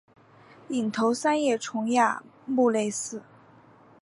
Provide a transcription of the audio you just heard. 隐头三叶虫亚目类似。